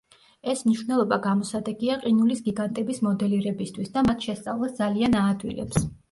ეს მნიშვნელობა გამოსადეგია ყინულის გიგანტების მოდელირებისთვის და მათ შესწავლას ძალიან აადვილებს.